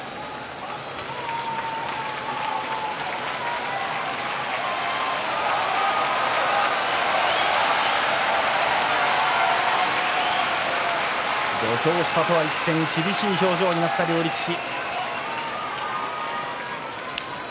拍手土俵下とは一転厳しい表情になった両力士。